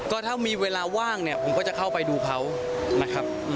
ก็ถ้ามีเวลาว่างเนี่ยผมก็จะเข้าไปดูเขานะครับ